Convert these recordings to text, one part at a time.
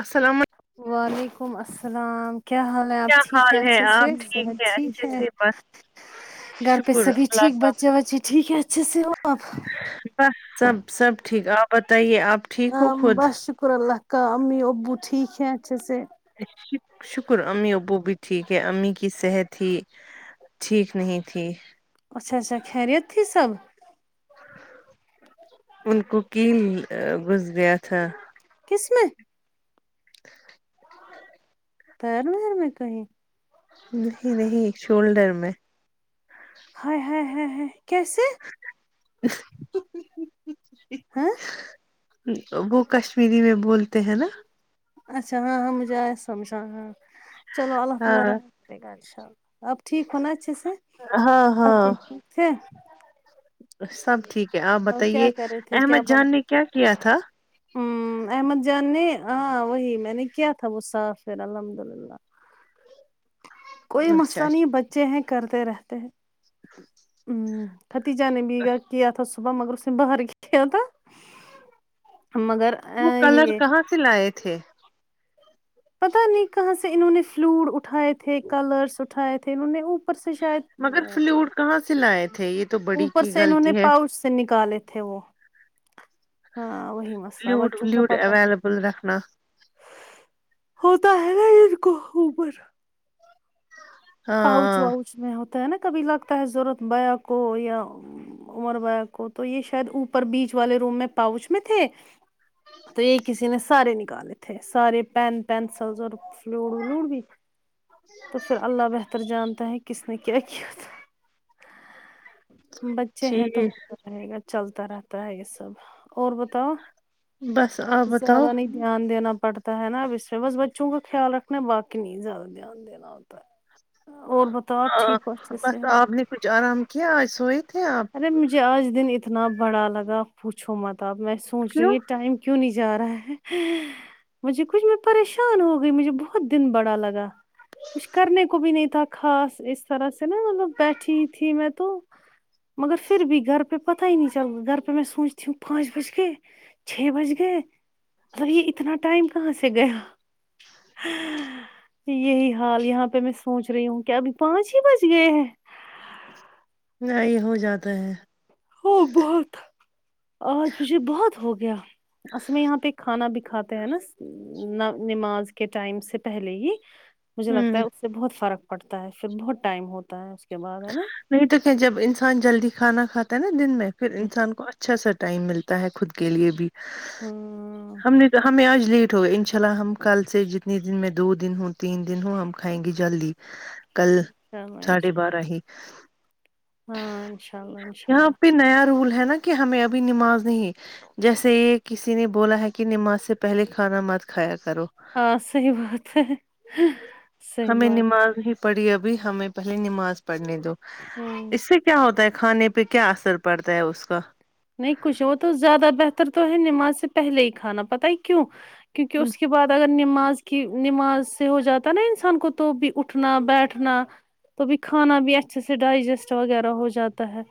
السلام علی وعلیکم السلام کیا حال آپ کیا ٹھیک ہے حال اچھے سے آپ ٹھیک سحت ٹھیک اچھے ہے سے بس گھر پہ شکر سبھی اللہ ٹھیک کا بچے بچے ٹھیک ہے اچھے سے ہو آپ بس سب سب ٹھیک آپ بتائیے آپ ا ٹھیک ہو خود بس شکر اللہ کا امی ابو ٹھیک ہے اچسے شکر امی ابو بھی ٹھیک ہے امی کی صحت ہی ٹھیک نہیں تھی اچھا اچھا خیریت تھی سب ان کو کیل گھس گیا تھا کس میں تیر مر میں کہیں نہیں نہیں شولڈر میں ہائے ہائے کیسے ہاں وہ کشمیری میں بولتے ہیں نا اچھا ہاں ہ مجھے آ سمجھا ہاں چلو اللہ ہاں تعالی رپ ٹھیک ہونااچھے سے ہاں جی سب ٹھیک ہے آپ اور کیا بتائیے کر رہے احمد جان نے کیا کیا تھا ہوں احمد جان نے ہاں وہی میں نے کیا تھا وہ صافھر الحمد للہ کوئی اچھا مسئلہ اچھا نہیں بچے ہیں کرتے رہتے ہیں ہوں کھتیجہ نے بی بھیگا کیا تھا اسکو صبح مگرگر سم باہر کھی تو مگر وہ کلر یہ کہاں سے لائے تھے پتا نہیں کہاں سے انہوں نے فلوڈ اٹھائے تھے کلرس اٹھائے تھے انہوں نے پر سے شاید مگر فلوڈ کہاں سے لائے تھے یہ تو بڑی اوپر کی سے انہوں نے غلطی ہے پاؤچ سے نکالے تھے وہ ہاں وہی مسئلہ فلوڈ بچوں کا ولوڈ پتہ ہی ہے اویلیبل رکھنا ہوتا ہے نا ان کو اوپر پاؤچ ہاں واؤچ میں ہوتا ہے نا کبھی لگتا ہے ضورت بیا کو یا عمر بیا کو تو یہ شاید اوپر بیچ والے روم میں پاؤچ میں تھے تو یہ کسی نے سارے نکالتے سارے پین پینسل اور فلوٹ فلوڈ بھی [unintelligible] تو پھر اللہ بہتر جانتے ہیں کس نے کیاکیا ہے بچے ہیں تو ٹھیک ہوتا رہے گا چلتا رہتا ہے یہ سب اور بتاؤ بس آپ بتاؤ زیادہ نہیں دھیان داڑتا ہے نا اب اس میں بس بچوں کا خیال رکھنا باقی نہیں زیادہ دھیان دینا اور بتاؤ آپ ہاں ٹھیک ہواچھے سےےض بس ہو آپ نے کچھ آرام کیا آج سوئے تھے آپ ارے مجھے آج دن اتنا بڑا لگا پوچھو مت آب میں سوچ رہی ہوں کیوں یہ ٹائم کیوں نہیں جا رہا ہے مجھے کچھ میں پریشان ہو گئی مجھے بہت دن بڑا لگا کچھ کرنے کو بھی نہیں تھا خاص اس طرح سے نا مطلب بیٹھی تھی میں تو مگر پھر بھی گھر پہ پتہ ہی نہیں چل گھر پہ میں سوچتی ہوں پانچ بج گے چھ بج گئے مطلب یہ اتنا ٹائم کہاں سے گیا ہاں یہی حال یہاں پہ میں سوچ رہی ہوں کیا ابھی پانچ ہی بج گئے ہیں نہیں ہو جاتا ہے ہو بہت آج مجھے بہت ہوگیا اصل میں یہاں پہ کھانا بھی کھاتے ہیں نا نماز کے ٹائم سے پہلے ہی مجھے لگتا ہوں ہے اس سے بہت فرق پڑتا ہے پھر بہت ٹائم ہوتا ہے اس کے بعد ہے نا نہیں تو کہ جب انسان جلدی کھانا کھا نا دن میں پھر انسان کو اچھا سا ٹائم ملتا ہے خود کے لیے بھی ہوں، ہم نے ہمیں آج لیٹ ہو گئے ان شاء اللہ ہم کل سے جتنے دن میں دو دن ہوں تین دن ہوں ہم کھائیں گے جلدی کل ہاں چلو ساڑھے انشاء بارہ ہی ہاں انشاء اللہ انشاء یہاں اللہ پہ نیا رول ہے نا کہ ہمیں ابھی نماز نہیں جیسے یہ کسی نے بولا ہے کہ نماز سے پہلے کھانا مت کھایا کرو ہاں صحیح بات ہے صحیح ہمیں بات نماز ہی پڑی ابھی ہمیں پہلے نماز پڑھنے دو ہوں اس سے کیا ہوتا ہے کھانے پہ کیا اثر پڑتا ہے اس کا نہیں کچھ وہ تو زیادہ بہتر تو ہے نماز سے پہلے ہی کھانا پت ہی کیوں کیونکہ اس کے بعد اگر نماز کی نماز سے ہو جاتا نا انسان کو تو بھی اٹھنا بیٹھنا توبھی کھانا بھی اچھے سے ڈائجسٹ وغیرہ ہو جاتا ہے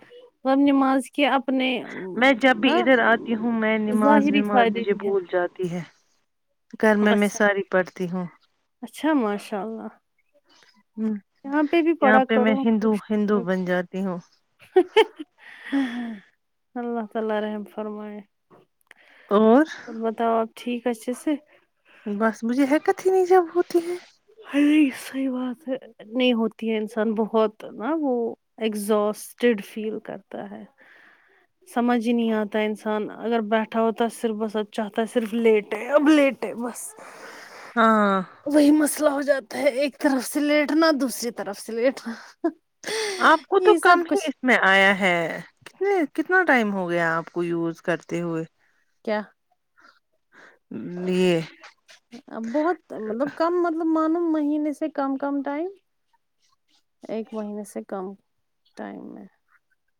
اب نماز کے اپنے میں جب بھی ہاں ادھر آتی ہوں میں نماز ظاہری وماز فائدے مجھے بھی ہے بھول جاتی ہے گھر میں میں اچھا ساری پڑھتی ہوں اچھا ماشاء اللہ ہ یہاں پہ بھی یہاں پڑھا پہ میں کرو ہندو ہندو بن جاتی ہوں اللہ تعالی رحم فرمائے اور بتاو آپ ٹھیک اچہے سے بس مجھے حکت ہی نہیں ہوتی ہے ہائے صحیح بات ہے نہیں ہوتی ہے انسان بہت نا وہ ایگزاسٹٹ فیل کرتا ہے سمجھ ہی نہیں آتا ہے انسان اگر بیٹھا ہوتا ہے تو صرف بس چاہتا ہے صرف لیٹے اب لیٹ ہے بس ہاں وہی مسئلہ ہو جاتا ہے ایک طرف سے لیٹنا دوسری طرف سے لیٹنا آپ کو تو یہی سب کم ہی کچھ میں آیا ہے کتنے کتنا ٹائم ہو گیا ہے آپ کو یوز کرتے ہوئے کیا یہ ا بہت مطلب کم مطلب معلوم مہینے سے کم کم ٹائم ایک مہینے سے کم ٹائم میں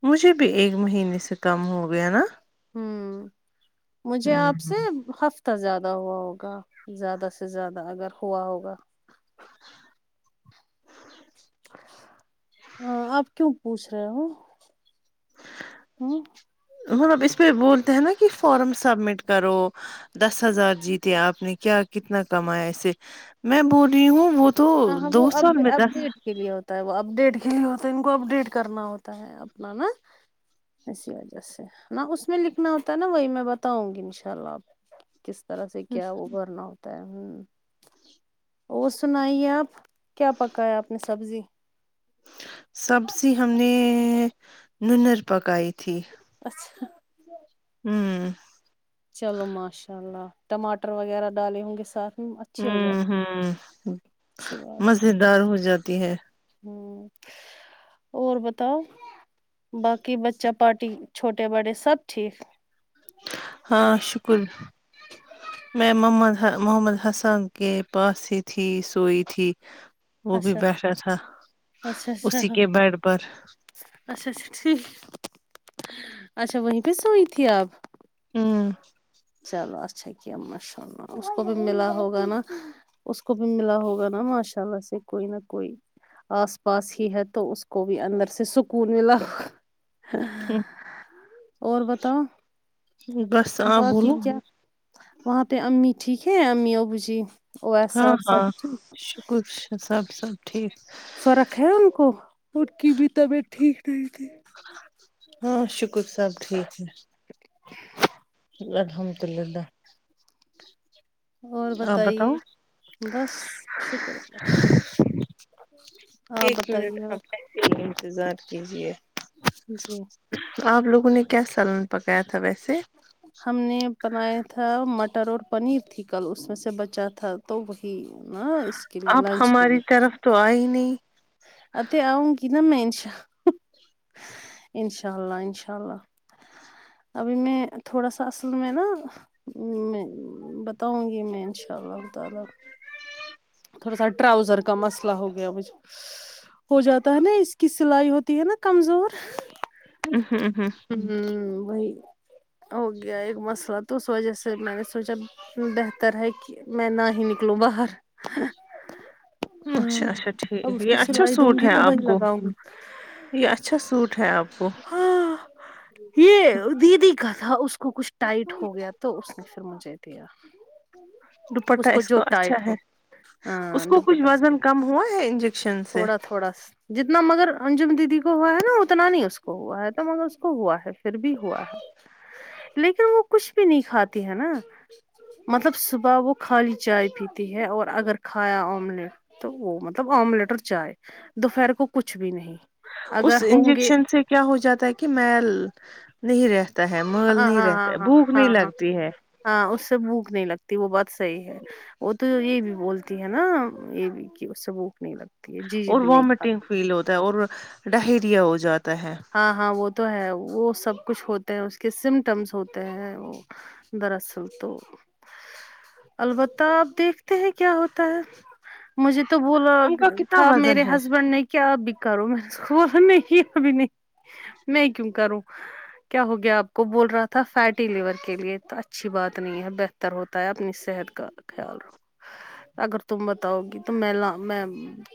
مجھے بھی ایک مہینے سے کم ہو گیا نا ہوں مجھے آپ ہمم، سے ہف اتا زیادہ ہوا ہوگا زیادہ سے زیادہ اگر ہوا ہوگا ہاں آپ کیوں پوچھ رہے ہو ہ مطلب اس پہ بولتے ہیں نا کہ فارم سبمٹ کرو دس ہزار جیتے آپ نے کیا کتنا کمایا اسے میں بول رہی ہوں وہ تو ہاں ہاں وہ دو سال اپ میں دس اپڈیٹ کے لیے ہوتا ہے وہ اپڈیٹ کے لیے ہوتا ہے ان کو اپڈیٹ کرنا ہوتا ہے اپنا نا اسی وجہ سے نہ اس میں لکھنا ہوتا ہے نا وہی میں بتاؤں گی ان شاء اللہ آپ کس طرح سے کیا وہ بھرنا ہوتا ہے ہ اور سنائیے نہیں آپ کیا پکایا آپ نے سبزی سبزی ہم نے ننر پکائی تھی اچھا ہوں چلو ماشاء اللہ ٹماٹر وغیرہ ڈالے ہوں گے ساتھ میں اچھی ہو ہوں جاتی ہوں اچھی بات ہے مزیدار ہو جاتی ہے ہوں اور بتاؤ باقی بچہ پارٹی چھوٹے بڑے سب ٹھیک ہاں شکر میں محمد ح محمد حسان کے پاس ہی تھی سوئی تھی وہ بھی اچھا بیٹھا تھا اچھا اسی اچھا کے بیڈ پر اچھا اچھا ٹھیک اچھا وہی پہ سوئی تھی آپ ام چلو اچھا کیا ماشاء اللہ اس کو بھی ملا ہوگا نا اس کو بھی ملا ہوگا نا ماشاء اللہ سے کوئی نہ کوئی آس پاس ہی ہے تو اس کو بھی اندر سے سکون ملا اور بتاؤ بس آپ بات بولو وہاں پہ امی ٹھیک ہے امی ابو جی او سب سب کچھ سب سب ٹھیک رکھے ان کو ان کی بھی طبیعت ٹھیک نہیں تھی ہاں شکر سب ٹھیک ہے الحمد اللہ اور بتائیے بس شکر اللہ تلله ایک منٹ اب ایسے ہی انتظار کیجیے جی آپ لوگوں نے کیا سالن پکایا تھا ویسے ہم نے بنایا تھا مٹر اور پنیر تھی کل اس میں سے بچا تھا تو وہی نہ آپ ہماری طرف تو آئے نہیں اتھے آؤنگی نا مے انشا ان شاء اللہ ان شاء اللہ ابھی میں تھوڑا سا اصل میں نا ام میں بتاؤں گی میں انشاء اللہ تعالی تھوڑا سا ٹراؤزر کا مسئلہ ہو گیا مجھ ہو جاتا ہے نا اس کی سلائی ہوتی ہے نا کمزور ہوں ہوں ہوں وہی ہو گیا ایک مسئلہ تو اس وجہ سے میں نے سوچا بہتر ہے کہ میں نہ ہی نکلوں باہر ہاں اچھا اچھا اب ٹھیک اس کو یہ اچھا سلائی دوں سوٹ گی ہے تو وہی آپ کو لگاؤں گی یہ اچھا سوٹ ہے آپ کو ہاں یہ دیدی کا تھا اس کو کچھ ٹائٹ ہو گیا تھا تو اس نے پھر مجھے دیا اس دوپٹہ کو جو کا اچھا ٹائٹ ہو ہے ہاں اس کو کچھ دوپٹا سے وزن کم ہوا ہے انجیکشن سے تھوڑا تھوڑا جتنا مگر انجم دیدی کو ہوا ہے نا اتنا نہیں اس کو اس کو ہوا ہے تو مگر اس کو ہوا ہے پھر بھی ہوا ہے لیکن وہ کچھ بھی نہیں کھاتی ہے نا مطلب صبح وہ خالی چائے پیتی ہے اور اگر کھایا آملیٹ تو وہ مطلب آملیٹ اور چائے دوپہر کو کچھ بھی نہیں اس اگر ہوں گے انجیکشن سے کیا ہو جاتا ہے کہ کہ محل نہیں رہتا ہے مل ہاں نہیں رہتا بھوک نہیں لگتی ہے ہ اس سے بھوک نہیں لگتی وہ بہت صحیح ہے وہ تو یہ بھی بولتی ہے نا یہ بھی کہ اس سے بھوک نہیں لگتی ہے جی جی اور بھی نہیں وامٹنگ کھاتی فیل ہوتا ہے اور ڈاہیریا ہو جاتا ہے ہاں ہاں وہ تو ہے وہ سب کچھ ہوتے ہیں اس کے سمٹمس ہوتے ہیں وہ دراصل تو البتہ آپ دیکھتے ہیں کیا ہوتا ہے مجھے تو بولا ان کا کتنا تھا وزن میرے ہے ہسبینڈ نے کیا ابھی کرو میں بلا نہیں ابھی نہیں میں کیوں کروں کیا ہو گیا آپ کو بول رہا تھا فیٹی لیور کے لیے اچھی بات نہیں ہے بہتر بتر ہوتا ہے اپنی صحت کا خیال رو اگر تم بتاؤ گی تو میں میں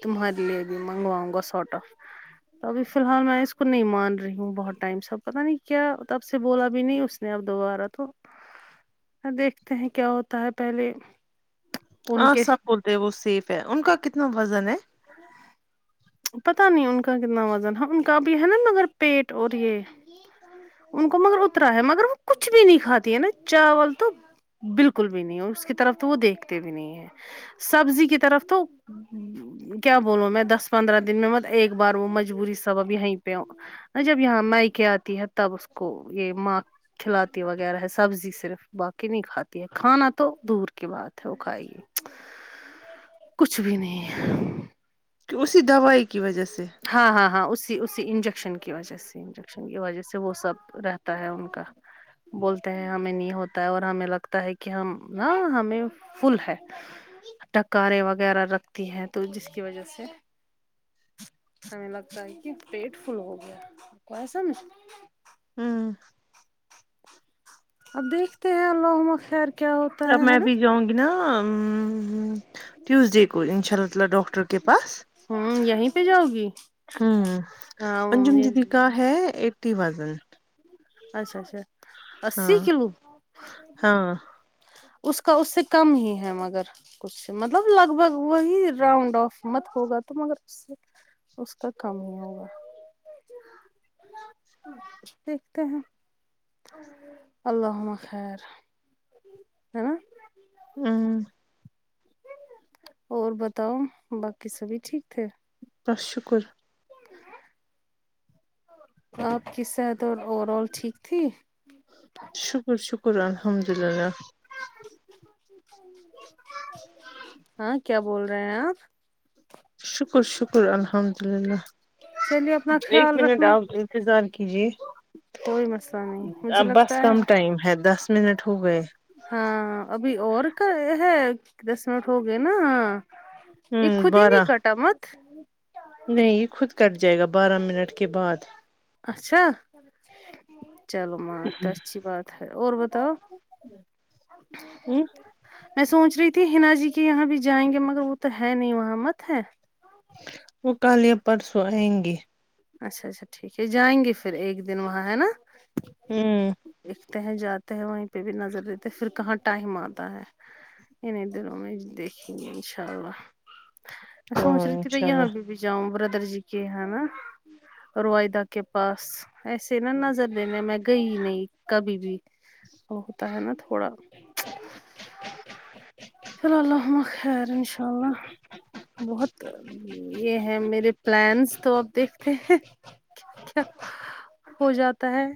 تمہارے لیے بھی منگواؤں گا سوٹا تو ابھی فی الحال میں اس نہیں مان رہی ہوں بہت ٹائم سے اب پتہ نہیں کیا تب سے بولا بھی نہیں اس نے اب دوبارا تو دیکھتے ہیں کیا ہوتا ہے پہلے ان ہاں کے سب بولتے وہ سیف ہے ان کا کتنا وزن ہے پتا نہیں ان کا کتنا وزن ہے ان کا بھی ہے نا مگر پیٹ اور یہ ان کو مگر اترا ہے مگر وہ کچھ بھی نہیں کھاتی ہے نا چاول تو بالکل بھی نہیں ہے اس کی طرف تو وہ دیکھتے بھی نہیں ہیں سبزی کی طرف تو کیا بولو میں دس پندرہ دن میں مت ایک بار وہ مجبوری سبب یہیں پہ ہ جب یہاں مائکے آتی ہے تب اس کو یہ ماں کھلاتی وغیرہ ہے سبزی صرف باقی نہیں کھاتی ہے کھانا تو دور کی بات ہے وہ کھائی کچھ بھی نہیں کہ اسی دوائی کی وجہ سے ہاں ہاں ہاں اسی اسی انجیکشن کی وجہ سے انجیکشن کی وجہ سے وہ سب رہتا ہے ان کا بولتے ہیں ہمیں نہیں ہوتا ہے اور ہمیں لگتا ہے کہ ہم نہ ہمیں فل ہے ٹکاریں وغیرہ رکھتی ہیں تو جس کی وجہ سے ہمیں لگتا ہے کہ پیٹ فل ہو گیا ایسا نہیں ہمم اب دیکھتے ہیں اللہم خیر کیا ہوتا جب میں ہے نا ابھی جاؤں گی نا ٹیوزڈے کو انشاء اللہ تعالی ڈاکٹر کے پاس ہمم یہیں پہ جاؤ گی ہوں ہاں انجم یہیں دید کاا پہ، ہے ایٹی وزن اچھا اچھا اسی ہاں کلو ہاں اس کا اس سے کم ہی ہے مگر کچھ مطلب لگ بھگ وہی راؤنڈ آف مت ہوگا تو مگر اس سے اس کا کام ہی ہوگا ہاں دیکھتے ہیں اللہ ہمہ خیر ہے نا ہاں اور بتاؤ باقی سبھی ٹھیک تھے بس شکر ہے آپ کی صحت اور اوور آل ٹھیک تھی شکر شکر الحمد اللہ ہاں کیا بول رہے ہیں آپ شکر شکر الحمد للہ چلیے اپنا ایک خیال منٹ رکھنا آپ انتظار کیجے کوئی مسئلہ نہیں مجھے اب بس لگتا کم ہے ٹائم ہے دس منٹ ہو گئے ہاں ابھی اور کا ہے دس منٹ ہو گئے نا ایک ہوں خود نہیں بارہ کٹا مت نہیں خود کٹ جائے گا بارہ منٹ کے بعد اچھا چلو ماں تو اچھی بات ہے اور بتاؤ ہوں میں سوچ رہی تھی حناا جی کے یہاں بھی جائیں گے مگر وہ تو ہے نہیں وہاں مت ہے وہ کل پرسوں آئیں گی اچھا اچھا ٹھیک ہے جائیں گے پھر ایک دن وہاں ہے نا ہمم دکھتے ہیں جاتے ہیں وہیں پہ بھی نظر دیتے پھر کہاں ٹائم آتا ہے اننے دنوں میں دیکھیں گے انشاء اللہ میں سوچ ہاں رہی تھی ب انشاء یہاں اللہ بھی بھی جاؤں بردر جی کے ہے نا روائدہ کے پاس ایسے نا نظر دینے میں گئی نہیں کبھی بھی وہ ہوتا ہے نا تھوڑا اللہمہ خیر انشاء اللہ بہت یہ ہے میرے پلانس تو آپ دیکھ کیا کیا ہو جاتا ہے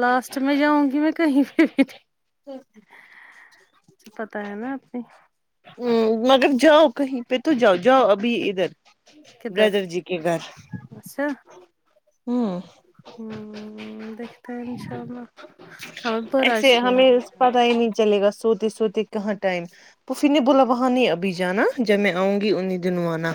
لاسٹ میں جاؤں گی میں کہیں پہ بھی ٹھیک پتہ ہے نہ اپنے آپ نے ہ مگر جاؤ کہہیں پہ تو جاؤ جاؤ ابھی ادھر بردر جی کے گھر ایسا ہوں ہیہ دیکھتے ہیں انشاء اللہ ہمیں پر آج کے ہم ٹائم نہیں چلے گا سوتے سوتے کہاں ٹائم پفی نے بولا وہاں نہیں ابھی جانا جب میں آؤں گی انہیں دونوں آنا